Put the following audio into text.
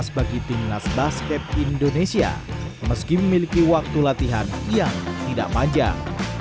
bagi timnas basket indonesia meski memiliki waktu latihan yang tidak panjang